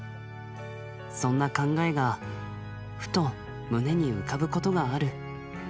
そんな考えがふと胸に浮かぶことがある。